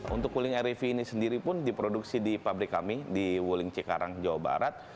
untuk wuling rev ini sendiri pun diproduksi di pabrik kami di wuling cikarang jawa barat